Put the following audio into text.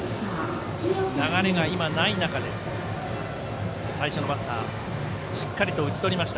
流れが今、ない中で最初のバッターしっかりと打ち取りました。